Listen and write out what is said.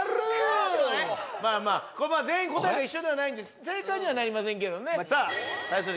まあまあここは全員答えが一緒ではないんで正解にはなりませんけどねさあ対する